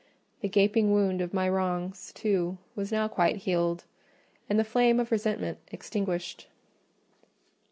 The gaping wound of my wrongs, too, was now quite healed; and the flame of resentment extinguished.